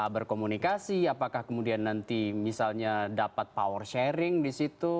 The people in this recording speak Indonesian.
berkomunikasi apakah kemudian nanti misalnya dapat power sharing di situ